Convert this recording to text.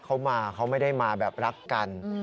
เขามาเขาไม่ได้มาแบบรักกัน